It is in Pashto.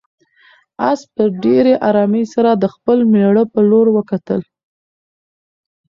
آس په ډېرې آرامۍ سره د خپل مېړه په لور وکتل.